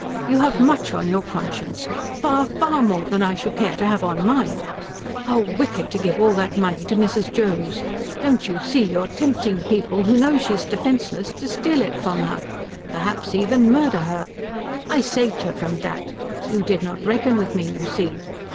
You have much on your conscience far, far more than I should care to have on mine. How wicked to give all that money to Mrs. Jones. Don't you see you are tempting people who know she is defenceless to steal it from her? Perhaps even murder her? I saved her from that you did not reckon with me, you see.